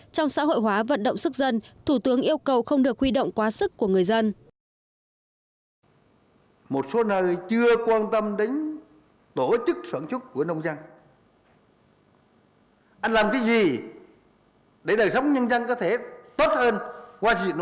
trong xã hội hóa vận động sức dân thủ tướng yêu cầu không được huy động quá sức của người dân